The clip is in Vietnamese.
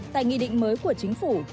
tại nghị định mới của chính phủ